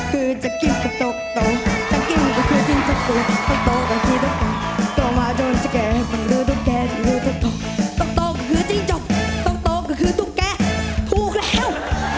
ตกตกก็คือจิ้งจกตกตกก็คือทุกแกถูกแล้ว